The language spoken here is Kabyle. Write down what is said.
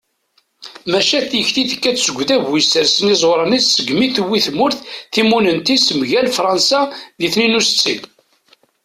maca tikti tekka-d seg udabu yessersen iẓuṛan-is segmi tewwi tmurt timunent-is mgal fṛansa di tniyen u settin